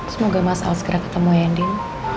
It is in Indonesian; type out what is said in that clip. semoga mas al segera ketemu ya nin